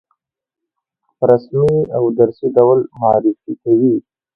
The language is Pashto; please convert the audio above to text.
په رسمي او درسي ډول معرفي کوي.